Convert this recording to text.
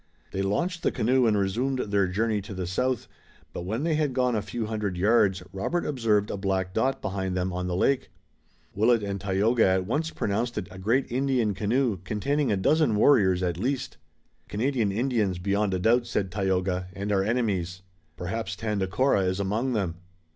They launched the canoe and resumed their journey to the south, but when they had gone a few hundred yards Robert observed a black dot behind them on the lake. Willet and Tayoga at once pronounced it a great Indian canoe, containing a dozen warriors at least. "Canadian Indians, beyond a doubt," said Tayoga, "and our enemies. Perhaps Tandakora is among them."